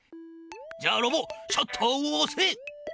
じゃあロボシャッターをおせ！